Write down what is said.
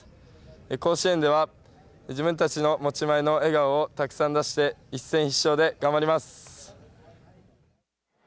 甲子園では、自分たちの持ち前の笑顔をたくさん出して一戦必勝で頑張ります。